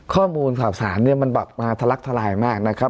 ข้อมูลข่าวสารมันมาทะลักทะลายมาก